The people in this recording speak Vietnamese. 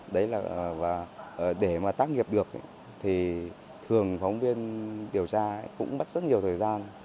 đấy và để mà tác nghiệp được thì thường phóng viên điều tra cũng bắt rất nhiều thời gian